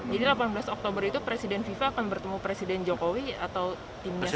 jadi delapan belas oktober itu presiden viva akan bertemu presiden jokowi atau timnya saja